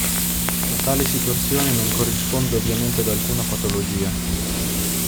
Tale situazione non corrisponde ovviamente ad alcuna patologia.